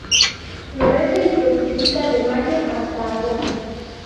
Florece y fructifica de mayo hasta agosto.